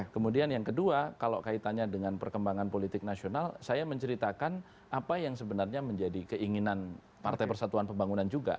kemudian yang kedua kalau kaitannya dengan perkembangan politik nasional saya menceritakan apa yang sebenarnya menjadi keinginan partai persatuan pembangunan juga